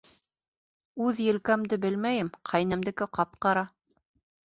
Үҙ елкәмде белмәйем, ҡәйнәмдеке ҡап-ҡара.